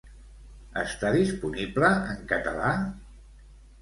Està disponible en català?